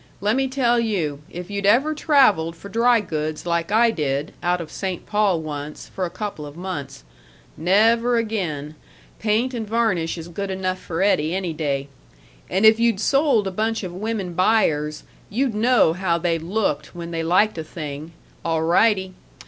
Lemme tell you, if you'd ever traveled for dry goods like I did, out of St. Paul once, for a couple of months nev er again; paint and varnish is good enough for Eddie any day and if you'd sold a bunch of women buyers, you'd know how they looked when they liked a thing, alrightee!